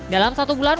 dalam satu bulan